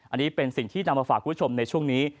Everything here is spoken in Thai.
อันนี้เป็นสิ่งที่นำมาฝากคุณผู้ชมในช่วงนี้